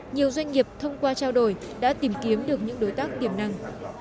nhiều doanh nghiệp thông qua trao đổi đã tìm kiếm được những đối tác tiềm năng